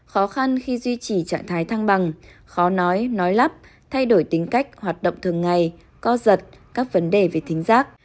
khó khăn khi duy trì trạng thái thăng bằng khó nói nói lắp thay đổi tính cách hoạt động thường ngày co giật các vấn đề về thính giác